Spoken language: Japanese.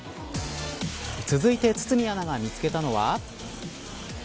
続いて堤アナが見つけたのは。